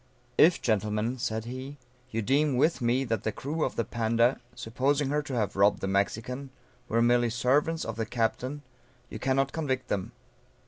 _] If, gentlemen, said he, you deem with me, that the crew of the Panda, (supposing her to have robbed the Mexican,) were merely servants of the captain, you cannot convict them.